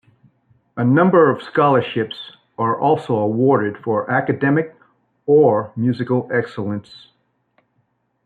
A number of scholarships are also awarded for academic or musical excellence.